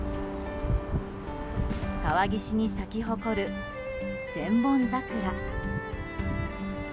川岸に咲き誇る千本桜。